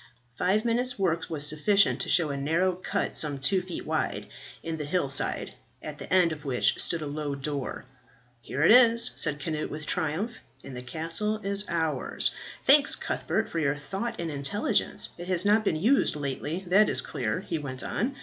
Five minutes' work was sufficient to show a narrow cut, some two feet wide, in the hill side, at the end of which stood a low door. "Here it is," said Cnut, with triumph, "and the castle is ours. Thanks, Cuthbert, for your thought and intelligence. It has not been used lately, that is clear," he went on.